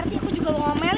ikutin bebe ikutin